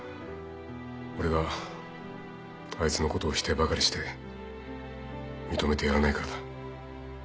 俺があいつのことを否定ばかりして認めてやらないからだ。